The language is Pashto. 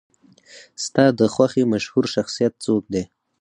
ستا د خوښې مشهور شخصیت څوک دی؟